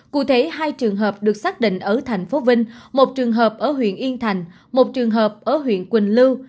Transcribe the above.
cụ thể hai trường hợp được xác định ở thành phố vinh một trường hợp ở huyện yên thành một trường hợp ở huyện quỳnh lưu